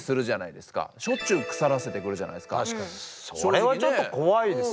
それはちょっと怖いですしね。